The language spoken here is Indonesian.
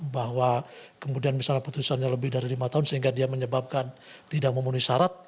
bahwa kemudian misalnya putusannya lebih dari lima tahun sehingga dia menyebabkan tidak memenuhi syarat